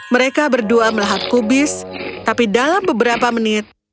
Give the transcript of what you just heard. mereka berdua melahap kubis tapi dalam beberapa menit